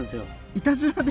いたずらで？